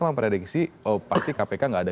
memprediksi oh pasti kpk nggak ada